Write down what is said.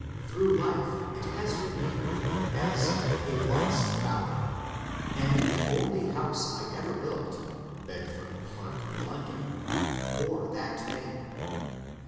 Through life it has remained with me as a ^* Lost Bower/' and the only house I ever built (Bedford Park, London) bore that name.